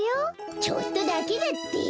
ちょっとだけだって。